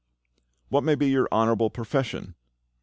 "What may be your honourable profession?"